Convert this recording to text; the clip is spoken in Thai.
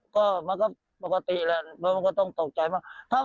ก็มันก็ปกติแหละมันก็ต้องตกใจมาก